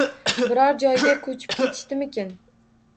Biror joyga ko`chib ketishdimikin